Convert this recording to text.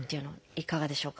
いかがでしょうか？